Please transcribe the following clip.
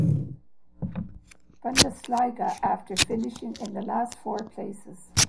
Bundesliga after finishing in the last four places.